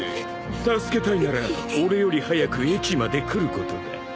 助けたいなら俺より早く駅まで来ることだ。